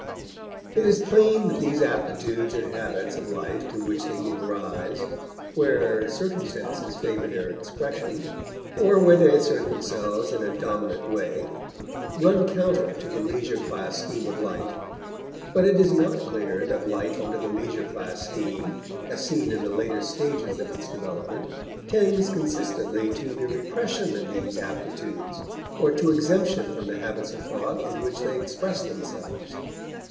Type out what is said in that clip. It is plain that these aptitudes and habits of life to which they give rise where circumstances favor their expression, or where they assert themselves in a dominant way, run counter to the leisure class scheme of life; but it is not clear that life under the leisure class scheme, as seen in the later stages of its development, tends consistently to the repression of these aptitudes or to exemption from the habits of thought in which they express themselves.